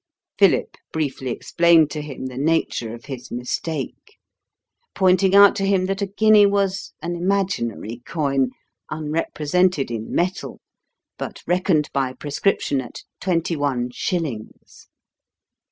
Philip briefly explained to him the nature of his mistake, pointing out to him that a guinea was an imaginary coin, unrepresented in metal, but reckoned by prescription at twenty one shillings.